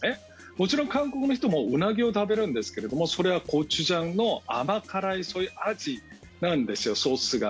もちろん、韓国の人もウナギを食べるんですけれどもそれはコチュジャンの甘辛い味なんですよ、ソースが。